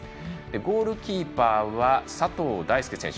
ゴールキーパーは佐藤大介選手。